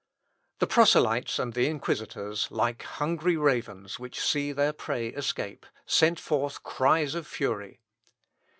The proselytes and the inquisitors, like hungry ravens which see their prey escape, sent forth cries of fury.